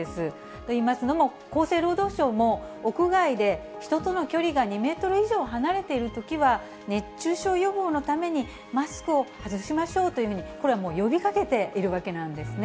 といいますのも、厚生労働省も、屋外で人との距離が２メートル以上離れているときは、熱中症予防のためにマスクを外しましょうというふうに、これはもう呼びかけているわけなんですね。